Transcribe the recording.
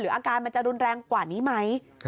อาการมันจะรุนแรงกว่านี้ไหม